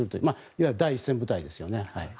いわば第一線部隊ですよね。